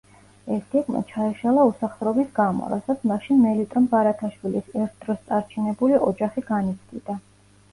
ეს გეგმა ჩაეშალა უსახსრობის გამო, რასაც მაშინ მელიტონ ბარათაშვილის ერთდროს წარჩინებული ოჯახი განიცდიდა.